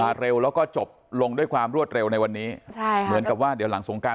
มาเร็วแล้วก็จบลงด้วยความรวดเร็วในวันนี้